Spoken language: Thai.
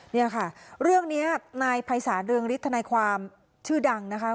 เนี่ยค่ะเรื่องนี้นายภัยศาลเรืองฤทธนายความชื่อดังนะคะ